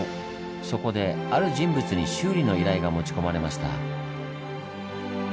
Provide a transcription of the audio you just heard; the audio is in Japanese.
そこである人物に修理の依頼が持ち込まれました。